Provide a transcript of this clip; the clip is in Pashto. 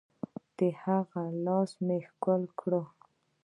د هغه لاسونه مې ښكل كړل.